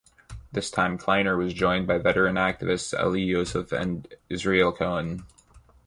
This time Kleiner was joined by veteran activists Elie Yossef and Israel Cohen.